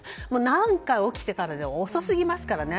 何か起きてからでは遅すぎますからね。